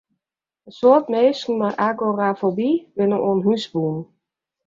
In soad minsken mei agorafoby binne oan hûs bûn.